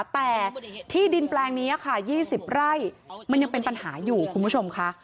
แต่ที่ดินแปลงนี้ค่ะ๒๐ไร่มันยังเป็นปัญหาอยู่คุณผู้ชมค่ะ